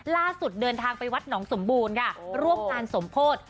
ล่าสุดเดินทางไปวัดหนองสมบูรณ์ค่ะร่วมการสมโภษ